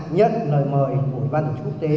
nhận lời mời của quan trọng quốc tế